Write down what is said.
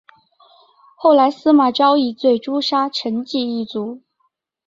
后来司马昭以罪诛杀成济一族。